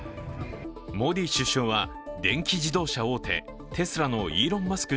モディ首相は、電気自動車大手テスラのイーロン・マスク